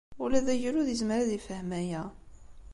Ula d agrud yezmer ad yefhem aya.